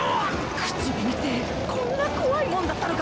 口紅ってこんな怖いもんだったのか